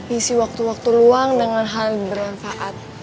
isi waktu waktu luang dengan hal yang bermanfaat